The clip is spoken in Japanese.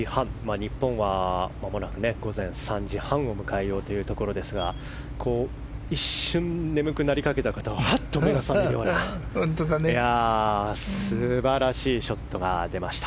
日本はまもなく午前３時半を迎えようというところですが一瞬、眠くなりかけた方はハッと目が覚めるような素晴らしいショットが出ました。